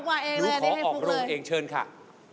ฟุ๊กมาเองเลยนี่เป็นฟุ๊กเลยดูขอออกโรงเองเชิญค่ะดูขอออกโรงเอง